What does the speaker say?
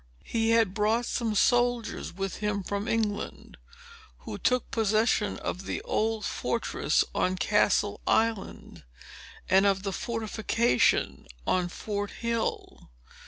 He had brought some soldiers with him from England, who took possession of the old fortress on Castle Island, and of the fortification on Fort Hill.